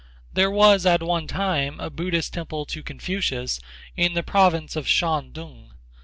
There was at one time a Buddhist temple to Confucius in the province of Shantung.